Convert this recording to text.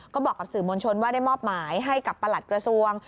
ก็บอกกับสื่อมวลชนว่าได้มอบหมายให้กับประหลัดกระทรวง